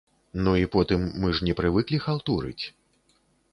Ну і потым, мы ж не прывыклі халтурыць!